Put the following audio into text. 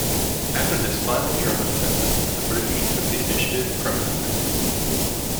After this final German offensive, the British took the initiative permanently.